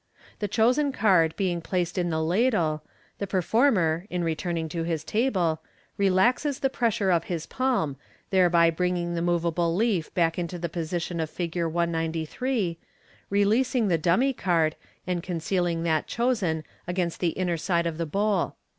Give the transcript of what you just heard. The chosen card being placed in the ladle, the performer, in returning to his table, relaxes the pressure of his palm, thereby bringing the moveable leaf back into the position of Fig. 193, releasing the dummy card, and concealing that chosen against the inner side of the bowl.